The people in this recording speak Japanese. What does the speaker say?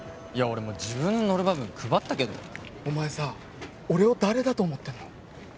俺もう自分のノルマ分配ったけどお前さ俺を誰だと思ってんの？